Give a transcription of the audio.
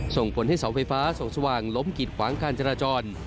ส่งผลให้เสาไฟฟ้าส่องสว่างล้มกิดขวางการจราจร